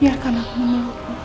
biarkan aku menunggu